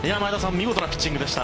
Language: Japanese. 見事なピッチングでした。